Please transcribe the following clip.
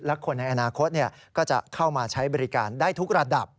และคนในอนาคตก็จะเข้ามาใช้บริการได้ทุกระดับ